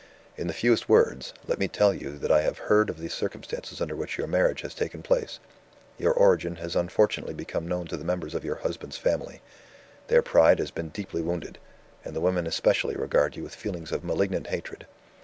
In the fewest words, let me tell you that I have heard of the circumstances under which your marriage has taken place. Your origin has unfortunately become known to the members of your husband's family; their pride has been deeply wounded; and the women especially regard you with feelings of malignant hatred.